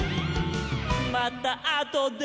「またあとで」